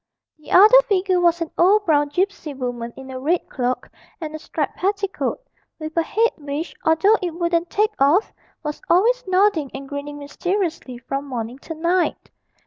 The other figure was an old brown gipsy woman in a red cloak and a striped petticoat, with a head which, although it wouldn't take off, was always nodding and grinning mysteriously from morning to night.